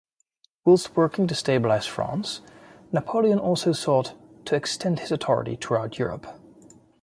Whilst working to stabilise France, Napoleon also sought to extend his authority throughout Europe.